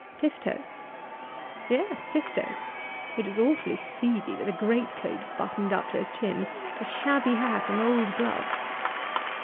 "Tifto!" "Yes, Tifto. He looked awfully seedy, with a greatcoat buttoned up to his chin, a shabby hat and old gloves."